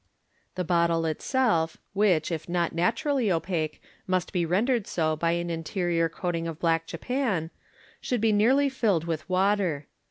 The bottle itself, which, if not naturally opaque, must be rendered so by an interior coaiing of black japan, should be nearly filled with water.